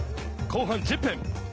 後半１０分。